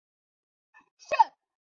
胜瑞站的铁路车站。